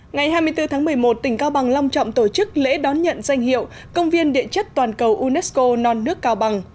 ngày hai mươi bốn tháng một mươi một tỉnh cao bằng long trọng tổ chức lễ đón nhận danh hiệu công viên địa chất toàn cầu unesco non nước cao bằng